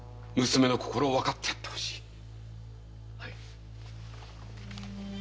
娘の心をわかってやってほしい！